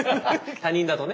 他人だとね。